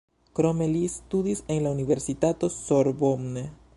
Krome li studis en la universitato Sorbonne.